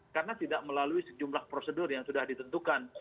karena tidak melalui sejumlah prosedur yang sudah ditentukan